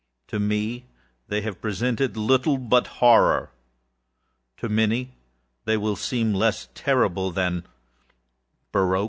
To me, they have presented little but horrorâto many they will seem less terrible than barroques.